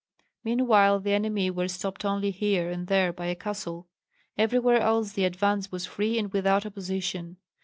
Meanwhile the enemy were stopped only here and there by a castle; everywhere else the advance was free and without opposition.